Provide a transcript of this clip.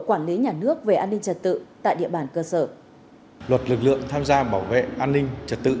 quản lý nhà nước về an ninh trật tự tại địa bàn cơ sở luật lực lượng tham gia bảo vệ an ninh trật tự